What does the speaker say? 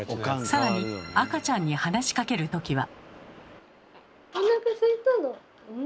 更に赤ちゃんに話しかける時は。